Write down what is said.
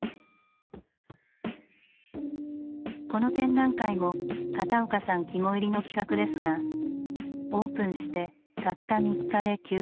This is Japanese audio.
この展覧会も片岡さん肝煎りの企画ですがオープンしてたった３日で休館に。